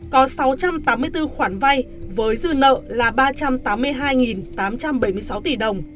có sáu trăm tám mươi bốn khoản vay với dư nợ là ba trăm tám mươi hai tám trăm bảy mươi sáu tỷ đồng